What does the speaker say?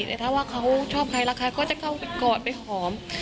แต่ถ้าว่าเขาชอบใครรักใครเขาจะเข้าไปกอดไปหอม